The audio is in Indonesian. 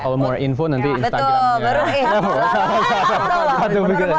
kalau mau info nanti instagramnya